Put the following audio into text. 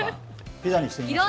ピザにしてみましょう。